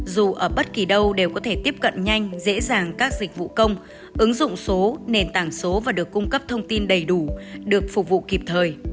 dù ở bất kỳ đâu đều có thể tiếp cận nhanh dễ dàng các dịch vụ công ứng dụng số nền tảng số và được cung cấp thông tin đầy đủ được phục vụ kịp thời